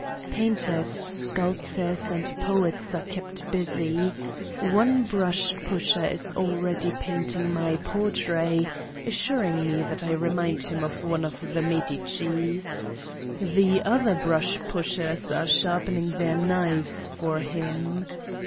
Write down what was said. Painters, sculptors and poets are kept busy. One brush pusher is already painting my portrait, assuring me that I remind him of one of the Medicis. The other brush pushers are sharpening their knives for him.